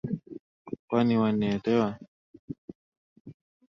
Kwani wanielewa?